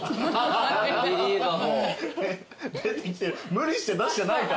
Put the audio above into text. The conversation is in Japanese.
無理して出してないか？